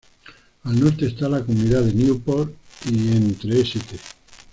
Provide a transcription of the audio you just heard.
Al norte está la comunidad de Newport y entre St.